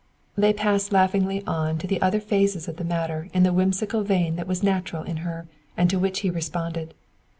They passed laughingly on to the other phases of the matter in the whimsical vein that was natural in her, and to which he responded.